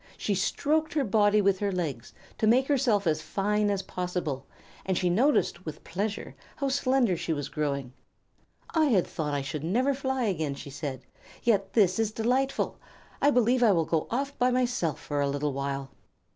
She stroked her body with her legs to make herself as fine as possible, and she noticed, with pleasure, how slender she was growing. "I had thought I should never fly again," she said, "yet this is delightful. I believe I will go off by myself for a little while."